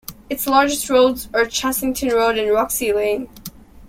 Its largest roads are Chessington Road and Ruxley Lane.